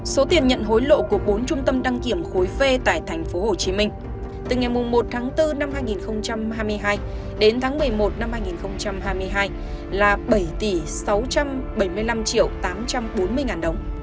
số tiền nhận hối lộ của bốn trung tâm đăng kiểm khối ph tại tp hcm từ ngày một tháng bốn năm hai nghìn hai mươi hai đến tháng một mươi một năm hai nghìn hai mươi hai là bảy tỷ sáu trăm bảy mươi năm triệu tám trăm bốn mươi ngàn đồng